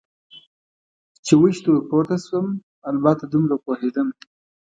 چې وچې ته ور پورته شم، البته دومره پوهېدم.